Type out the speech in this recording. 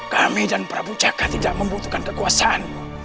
kami dan prabu jaga tidak membutuhkan kekuasaanmu